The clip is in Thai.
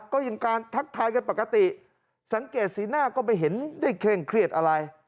ก็ยังการทักทายกันปกติสังเกตสีหน้าก็ไม่เห็นได้เคร่งเครียดอะไร